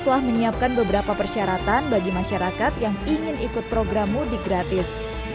telah menyiapkan beberapa persyaratan bagi masyarakat yang ingin ikut program mudik gratis